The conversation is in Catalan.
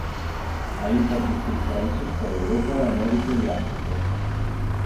Ha impartit conferències per Europa, Amèrica i Àfrica.